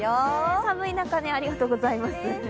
寒い中、ありがとうございます。